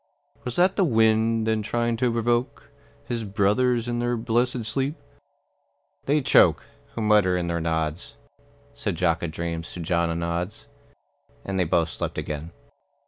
Was that the wind then trying to provoke His brothers in their blessed sleep?" "They choke, Who mutter in their nods," Said Jock a dreams to John a nods. And they both slept again.